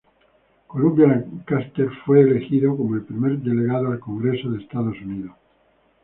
Columbia Lancaster fue elegido como el primer delegado al Congreso de Estados Unidos.